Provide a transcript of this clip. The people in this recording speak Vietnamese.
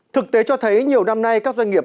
thực tế cho thấy nhiều năm nay các doanh nghiệp